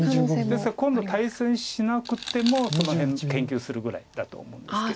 ですから今度対戦しなくてもその辺研究するぐらいだと思いますけれども。